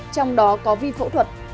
trong đó có vi phẫu thuật